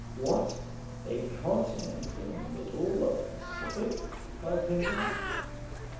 "What! a continent in the middle of the Pacific?" cried Pencroft.